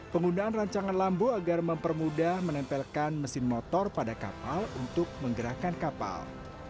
penggunaan rancangan lambu agar mempermudah menempelkan mesin motor pada kapal untuk menggerakkan kapal